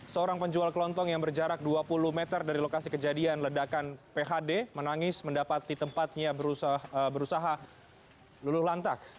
seorang penjual kelontong yang berjarak dua puluh meter dari lokasi kejadian ledakan phd menangis mendapati tempatnya berusaha luluh lantak